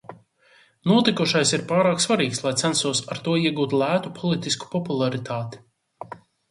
Notikušais ir pārāk svarīgs, lai censtos ar to iegūt lētu politisku popularitāti.